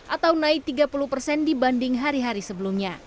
atau naik tiga puluh persen dibanding hari hari sebelumnya